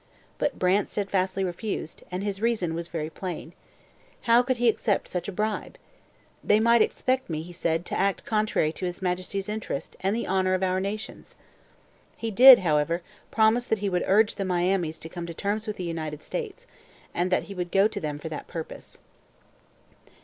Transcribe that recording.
But Brant steadfastly refused, and his reason was very plain. How could he accept such a bribe? 'They might expect me,' he said, 'to act contrary to His Majesty's interest and the honour of our nations.' He did, however, promise that he would urge the Miamis to come to terms with the United States, and that he would go to them for that purpose.